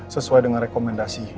sesuai dengan rekomendasi